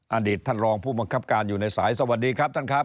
อดีตท่านรองผู้บังคับการอยู่ในสายสวัสดีครับท่านครับ